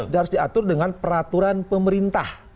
dia harus diatur dengan peraturan pemerintah